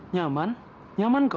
nyaman nyaman kok